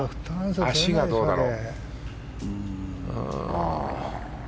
足がどうだろう。